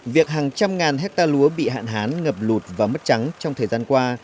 việc hàng trăm ngàn hecta lúa bị hạn hán ngập lụt và mất trắng trong thời gian qua